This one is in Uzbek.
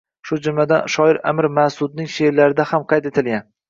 shu jumladan, shoir Amir Masudning she’rlarida ham qayd etilgan.